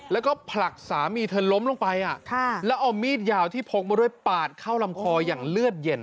แล้วก็ผลักสามีเธอล้มลงไปแล้วเอามีดยาวที่พกมาด้วยปาดเข้าลำคออย่างเลือดเย็น